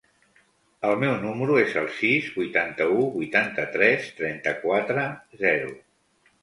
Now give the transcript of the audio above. El meu número es el sis, vuitanta-u, vuitanta-tres, trenta-quatre, zero.